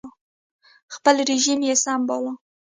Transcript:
خپل رژیم یې سم باله